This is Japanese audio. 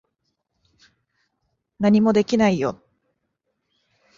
何もできないよ。